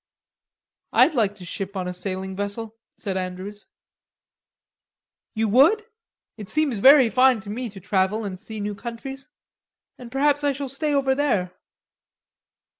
"I'd like to ship on a sailing vessel," said Andrews. "You would? It seems very fine to me to travel, and see new countries. And perhaps I shall stay over there."